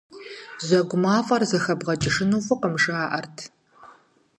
Жьэгу мафӀэр зэхэбгъэкӀыжыну фӀыкъым, жаӀэрт.